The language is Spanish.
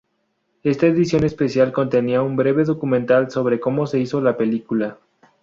Esta edición especial contenía un breve documental sobre cómo se hizo la película.